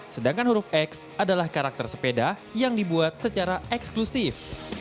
sedangkan huruf x adalah karakter sepeda yang dibuat secara eksklusif